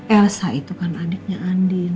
elsa itu kan adiknya andin